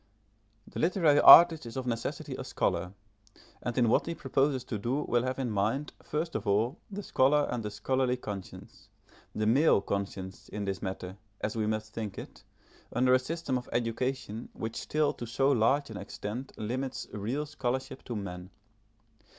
* The literary artist is of necessity a scholar, and in what he . proposes to do will have in mind, first of all, the scholar and the scholarly conscience the male conscience in this matter, as we must think it, under a system of education which still to so large an extent limits real scholarship to men.